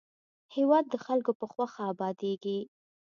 هېواد د خلکو په خوښه ابادېږي.